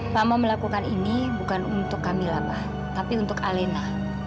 mama melakukan ini bukan untuk kamila pak tapi untuk alena